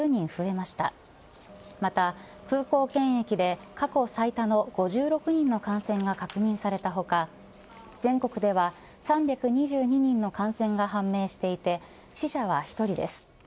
また、空港検疫で過去最多の５６人の感染が確認された他全国では３２２人の感染が判明していて死者は１人です。